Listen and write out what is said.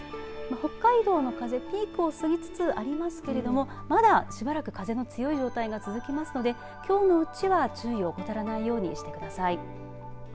北海道の風、ピークを過ぎつつありますけれどもまだしばらく風が強い状態が続きますのできょうのうちは注意を怠らないようにしてください。